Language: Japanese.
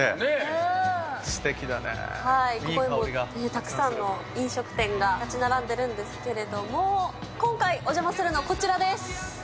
ここにもたくさんの飲食店が建ち並んでるんですけども、今回お邪魔するのはこちらです。